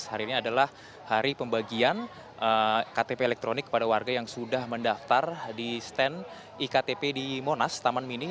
hari ini adalah hari pembagian ktp elektronik kepada warga yang sudah mendaftar di stand iktp di monas taman mini